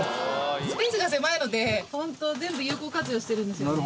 スペースが狭いのでホント全部有効活用してるんですよね